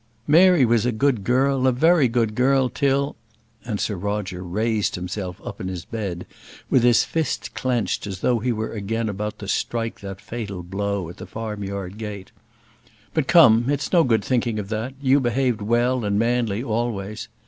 "Mary was a good girl, a very good girl, till" and Sir Roger raised himself up in his bed with his fist clenched, as though he were again about to strike that fatal blow at the farm yard gate. "But come, it's no good thinking of that; you behaved well and manly, always.